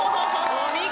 お見事！